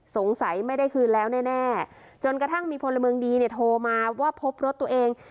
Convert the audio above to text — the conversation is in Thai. สงสัยไม่ได้คืนแล้วแน่จนกระทั่งมีพลเมืองดีเนี่ยโทรมาว่าพบรถตัวเอง